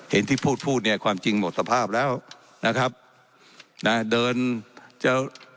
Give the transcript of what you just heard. เห็นที่พูดพูดเนี่ยความจริงหมดสภาพแล้วนะครับนะเดินจะ